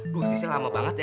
duh sisil lama banget ya